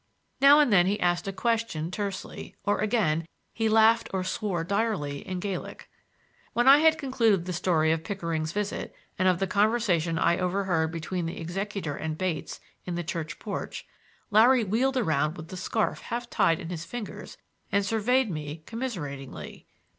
Now and then he asked a question tersely, or, again, he laughed or swore direly in Gaelic. When I had concluded the story of Pickering's visit, and of the conversation I overheard between the executor and Bates in the church porch, Larry wheeled round with the scarf half tied in his fingers and surveyed me commiseratingly.